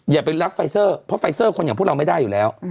อย่าไปรับไฟเซอร์เพราะไฟเซอร์คนอย่างพวกเราไม่ได้อยู่แล้ว